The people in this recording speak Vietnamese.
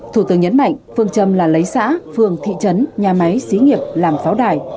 thủ tướng nhấn mạnh phương châm là lấy xã phường thị trấn nhà máy xí nghiệp làm pháo đài